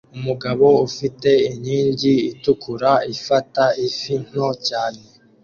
Umugabo ufite inkingi itukura ifata ifi nto cyane